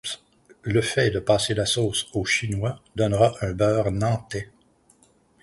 Le fait de passer la sauce au chinois donnera un beurre nantais.